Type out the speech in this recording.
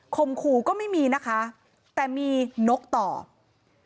ขู่ก็ไม่มีนะคะแต่มีนกตอบ